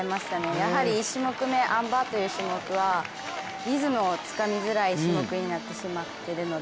やはり１種目め、あん馬という種目はリズムをつかみづらい種目になってしまっているので